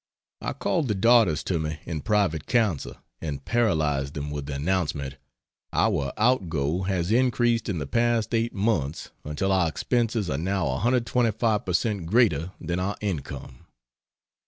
I called the daughters to me in private council and paralysed them with the announcement, "Our outgo has increased in the past 8 months until our expenses are now 125 per cent. greater than our income."